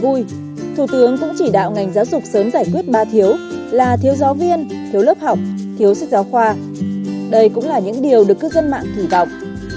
trong bài phát biểu của mình thủ tướng cũng chỉ đạo ngành giáo dục sớm giải quyết ba thiếu là thiếu giáo viên thiếu lớp học thiếu sức giáo khoa đây cũng là những điều được cư dân mạng thử vọng